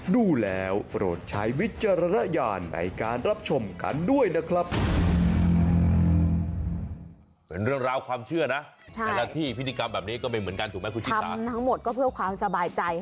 ดูแล้วโปรดใช้วิจารณญาณในการรับชมกันด้วยนะครับ